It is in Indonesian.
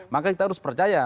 maka kita harus percaya